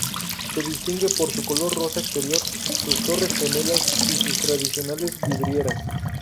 Se distingue por su color rosa exterior, sus torres gemelas y sus tradicionales vidrieras.